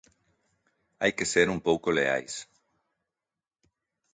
Hai que ser un pouco leais.